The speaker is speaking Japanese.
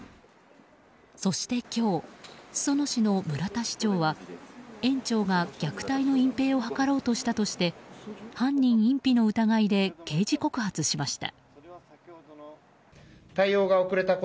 そして今日裾野市の村田市長は園長が虐待の隠ぺいを図ろうとしたとして犯人隠避の疑いで刑事告発しました。